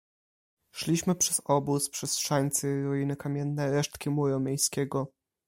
"Szliśmy przez obóz, przez szańce i ruiny kamienne, resztki muru miejskiego."